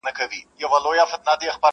وجود بار لري هر کله په تېرو تېرو ازغیو,